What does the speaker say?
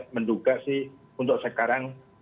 menduga sih untuk sekarang